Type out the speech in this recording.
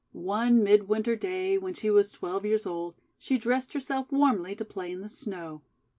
One Mid Winter day, when she was twelve years old, she dressed herself w^armly to play in the Snow.